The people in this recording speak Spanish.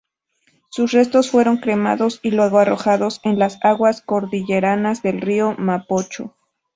Sus restos fueron cremados y luego arrojados en las aguas cordilleranas del río Mapocho.